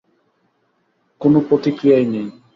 কোনও প্রতিক্রিয়াই নেই?